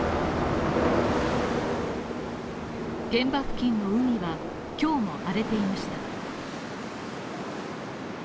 現場付近の海は今日も荒れていました。